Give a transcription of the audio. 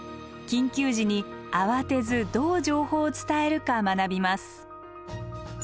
緊急時に慌てずどう情報を伝えるか学びます。